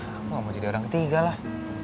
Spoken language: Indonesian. aku gak mau jadi orang ketiga lah